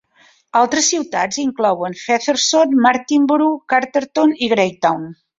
Altres ciutats inclouen Featherston, Martinborough, Carterton i Greytown.